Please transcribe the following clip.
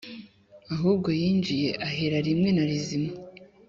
Ahubwo yinjiye ahera rimwe na rizima